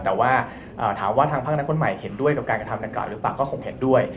แต่ว่าถามว่าทางภาคนักคนใหม่เห็นด้วยกับการกระทำดังกล่าหรือเปล่าก็คงเห็นด้วย